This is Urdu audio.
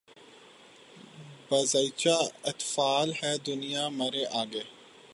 بازیچۂ اطفال ہے دنیا مرے آگے